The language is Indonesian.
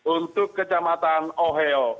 untuk kejamatan oheo